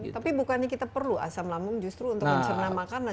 tapi bukannya kita perlu asam lambung justru untuk mencerna makanan